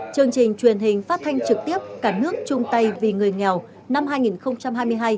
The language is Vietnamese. chương trình truyền hình phát thanh trực tiếp cả nước chung tay vì người nghèo năm hai nghìn hai mươi hai